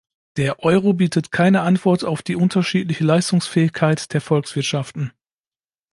Der Euro bietet keine Antwort auf die unterschiedliche Leistungsfähigkeit der Volkswirtschaften.